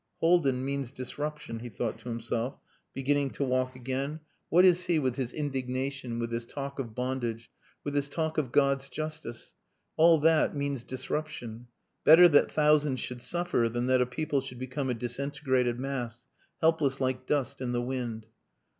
"Haldin means disruption," he thought to himself, beginning to walk again. "What is he with his indignation, with his talk of bondage with his talk of God's justice? All that means disruption. Better that thousands should suffer than that a people should become a disintegrated mass, helpless like dust in the wind.